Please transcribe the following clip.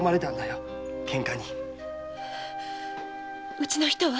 うちの人は？